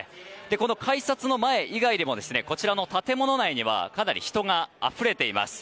この改札の前以外でもこちらの建物内にはかなり人があふれています。